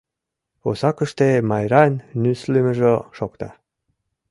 Пусакыште Майран нюслымыжо шокта.